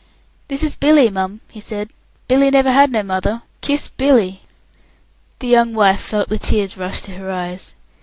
"This is Billy, mum," he said. "Billy never had no mother. Kiss Billy." The young wife felt the tears rush to her eyes.